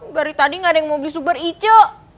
dari tadi gak ada yang mau beli suber icu